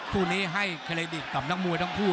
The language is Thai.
คู่นี้ให้เครดิตกับนักมวยทั้งคู่